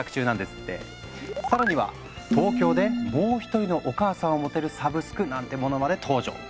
更には東京でもう一人のお母さんを持てるサブスクなんてものまで登場。